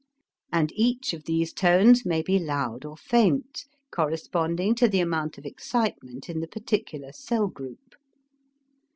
And each of these tones may be loud or faint, corresponding to the amount of excitement in the particular cell group.